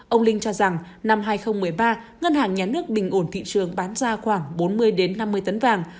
ông linh cho rằng năm hai nghìn một mươi ba ngân hàng nhà nước bình ổn thị trường bán ra khoảng bốn mươi năm mươi tấn vàng